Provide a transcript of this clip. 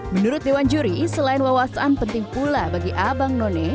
menurut dewan juri selain wawasan penting pula bagi abang none